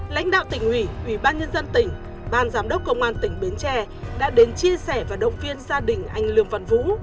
lãnh đạo tỉnh ủy ủy ban nhân dân tỉnh ban giám đốc công an tỉnh bến tre đã đến chia sẻ và động viên gia đình anh lương văn vũ